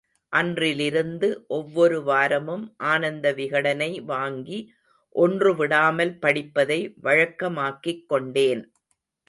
அன்றிலிருந்து ஒவ்வொரு வாரமும் ஆனந்த விகடனை வாங்கி ஒன்று விடாமல் படிப்பதை வழக்கமாக்கிக்கொண்டேன்.